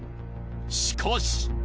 しかし！